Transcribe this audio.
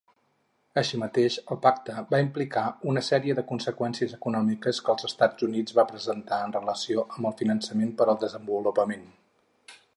Així mateix, el pacte va implicar una sèrie de conseqüències econòmiques que els Estats Units va presentar en relació amb el finançament per al desenvolupament.